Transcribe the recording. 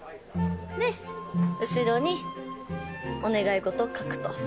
で、後ろにお願い事を書くと。